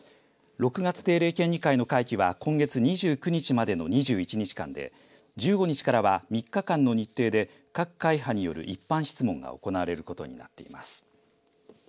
６月定例県議会の会期は今月２９日までの２１日間で１５日からは３日間の日程で各会派による一般質問が行われることになっています。